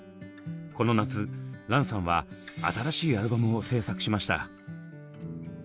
この夏蘭さんは新しいアルバムを制作しました。